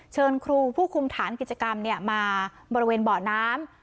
เชิญครูผู้คุมฐานกิจกรรมมาบริเวณเบาะน้ำ